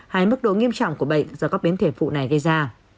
hay mức độ nghiêm trọng của bệnh do các biến thể phụ này gây ra